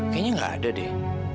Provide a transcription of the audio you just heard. kayaknya gak ada deh